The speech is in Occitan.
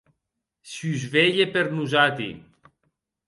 Susvelhe per nosati.